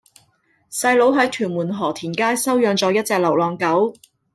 細佬喺屯門河田街收養左一隻流浪狗